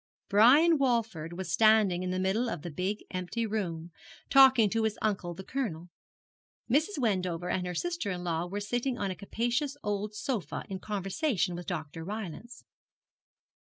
Brian Walford was standing in the middle of the big empty room, talking to his uncle the Colonel. Mrs. Wendover and her sister in law were sitting on a capacious old sofa in conversation with Dr. Rylance.